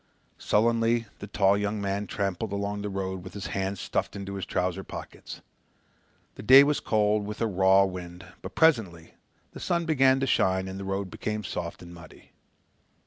Sullenly the tall young man tramped along the road with his hands stuffed into his trouser pockets. The day was cold with a raw wind, but presently the sun began to shine and the road became soft and muddy.